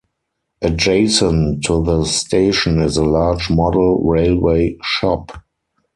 Adjacent to the station is a large model railway shop.